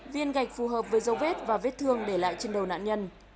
viên gạch phù hợp với dấu vết và vết thương để lại trên đầu nạn nhân